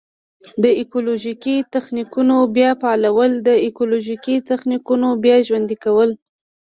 د ایکولوژیکي تخنیکونو بیا فعالول: د ایکولوژیکي تخنیکونو بیا ژوندي کول.